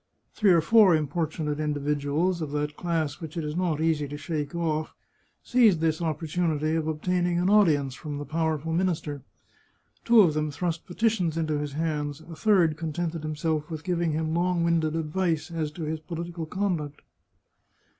Three or four importunate individuals, of that class which it is not easy to shake off, seized this opportunity of obtaining an audience from the powerful minister. Two of them thrust petitions into his hands, a third contented himself with giving him long winded advice as to his political conduct.